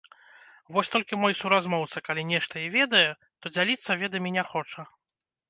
Вось толькі мой суразмоўца калі нешта і ведае, то дзяліцца ведамі не хоча.